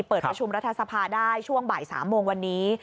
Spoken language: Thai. เปิดประชุมรัฐสภาได้ช่วงบ่าย๓โมงวันนี้